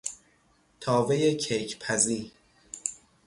تاوهی کیک پزی